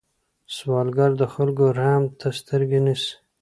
سوالګر د خلکو رحم ته سترګې نیسي